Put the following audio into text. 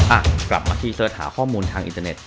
อ่ะกลับมาที่เสิร์ชหาข้อมูลทางอินเทอร์เน็ต